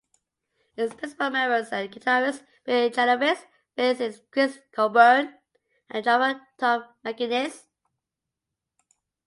Its principal members are guitarist Bill Janovitz, bassist Chris Colbourn, and drummer Tom Maginnis.